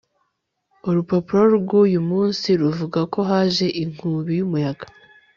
Urupapuro rwuyu munsi ruvuga ko haje inkubi yumuyaga